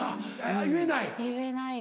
言えない？